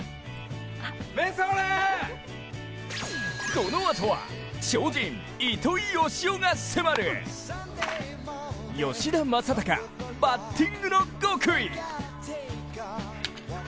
このあとは超人・糸井嘉男が迫る、吉田正尚、バッティングの極意！